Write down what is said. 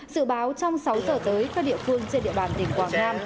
dự báo trong sáu giờ tới các địa phương trên địa bàn tỉnh quảng nam